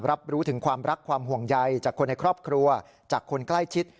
รับรู้ถึงความรักความห่วงใยจากคนในครอบครัวจากคนใกล้ชิด